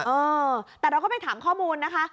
เออแต่เราก็ไปถามข้อมูลนะคะ